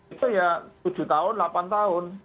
itu ya tujuh tahun delapan tahun